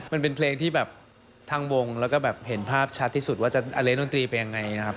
มันเป็นเพลงที่แบบทางวงแล้วก็แบบเห็นภาพชัดที่สุดว่าจะเล่นดนตรีไปยังไงนะครับ